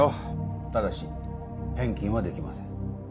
ただし返金はできません。